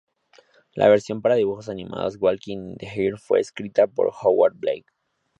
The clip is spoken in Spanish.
La versión para dibujos animados Walking In The Air fue escrita por Howard Blake.